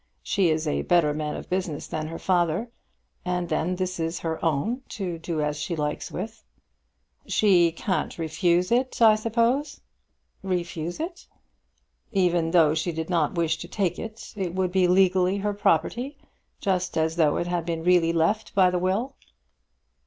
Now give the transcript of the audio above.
She is a better man of business than her father; and then this is her own, to do as she likes with it." "She can't refuse it, I suppose?" "Refuse it!" "Even though she did not wish to take it, it would be legally her property, just as though it had been really left by the will?"